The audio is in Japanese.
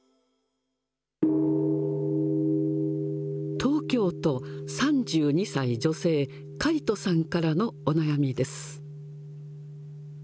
東京都、３２歳女性、カイトさんからのお悩みです。